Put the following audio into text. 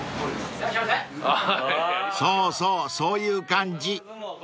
［そうそうそういう感じ］